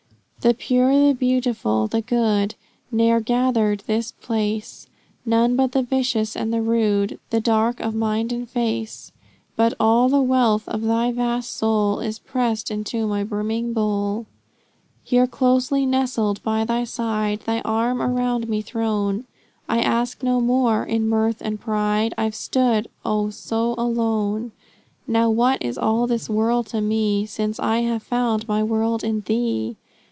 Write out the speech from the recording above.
The pure, the beautiful, the good, Ne'er gather in this place; None but the vicious and the rude, The dark of mind and face; But all the wealth of thy vast soul Is pressed into my brimming bowl. Here closely nestled by thy side, Thy arm around me thrown, I ask no more. In mirth and pride I've stood oh so alone! Now, what is all this world to me, Since I have found my world in thee?